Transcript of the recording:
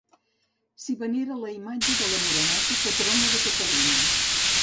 S'hi venera la imatge de la Moreneta, patrona de Catalunya.